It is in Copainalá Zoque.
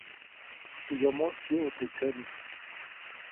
Teʼ yomoʼis pyuʼu teʼ tsyami.